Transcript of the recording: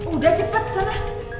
udah cepet sana